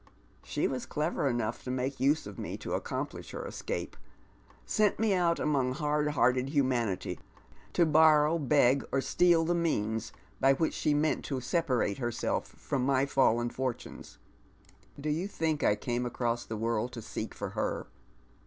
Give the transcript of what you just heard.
She was clever enough to make use of me to accomplish her escape, sent me out among hard hearted humanity to borrow, beg, or steal the means by which she meant to separate herself from my fallen fortunes. Do 3^ou tliink I came across the world to seek for her?